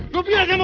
gue benci sama